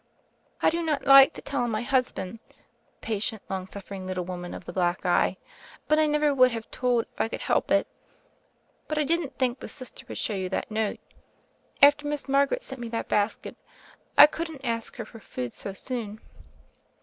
"I do not like to tell on mv husband," said the patient, long suffering, little woman of the THE FAIRY OF THE SNOWS 53 black eye. "And I never would have told, if I could help it. But I didn't think the Sister would show you that note. After Miss Mar garet sent me that basket, I couldn't ask her for food so soon."